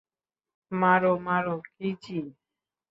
মারো, মারো, কিজি।